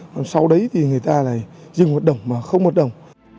còn sau đấy thì người ta là dưng một đồng mà không một đồng